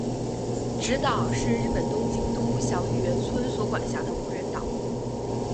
侄岛是日本东京都小笠原村所管辖的无人岛。